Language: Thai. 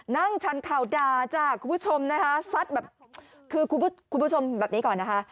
ชันเข่าด่าจ้ะคุณผู้ชมนะคะซัดแบบคือคุณผู้ชมแบบนี้ก่อนนะคะ